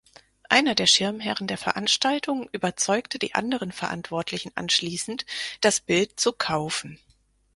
Einer der Schirmherren der Veranstaltung überzeugte die anderen Verantwortlichen anschließend, das Bild zu kaufen.